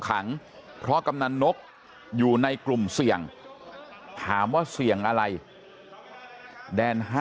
ขังเพราะกำนันนกอยู่ในกลุ่มเสี่ยงถามว่าเสี่ยงอะไรแดน๕